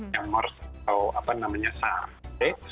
yang mers atau apa namanya sampai